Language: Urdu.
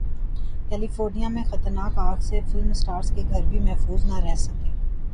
کیلیفورنیا میں خطرناک اگ سے فلم اسٹارز کے گھر بھی محفوظ نہ رہ سکے